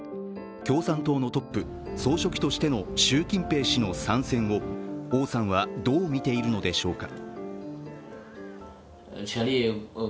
共産党のトップ総書記としての習近平氏の３選を王さんは、どう見ているのでしょうか。